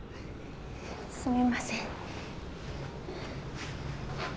すみません。